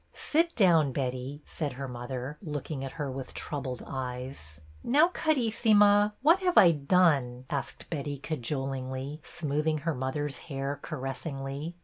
" Sit down, Betty," said her mother, looking at her with troubled eyes. " Now, Carissima, what have I done? " asked Betty, cajolingly, smoothing her mother's hair caressingly.